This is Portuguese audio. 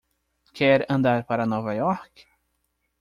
Quer andar para Nova York?